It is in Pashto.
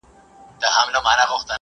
زه یوازي د خپلي لاري مسؤلیت لرم.